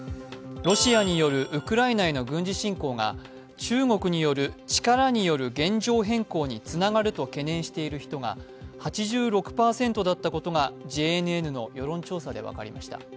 ロシアによるウクライナへの軍事侵攻が中国による力による現状変更につながると懸念している人が８６％だったことがＪＮＮの世論調査で分かりました。